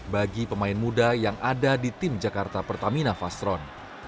bagi pemain muda yang ada di tim jakarta pertamina vastron